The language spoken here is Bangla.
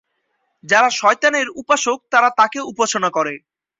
যারা শয়তানের উপাসক তারা তাকে উপাসনা করে।